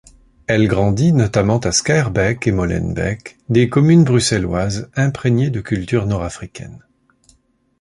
Elle grandit notamment à Schaerbeek et Molenbeek, des communes bruxelloises imprégnées de cultures nord-africaines.